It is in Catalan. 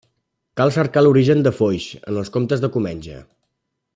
Cal cercar l'origen de Foix en els comtes de Comenge.